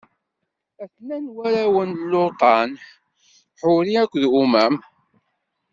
A-ten-an warraw n Luṭan: Ḥuri akked Umam.